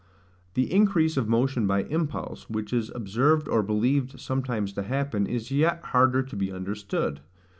The increase of motion by impulse, which is observed or believed sometimes to happen, is yet harder to be understood.